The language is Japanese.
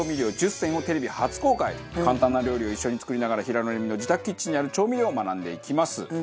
簡単な料理を一緒に作りながら平野レミの自宅キッチンにある調味料を学んでいきます。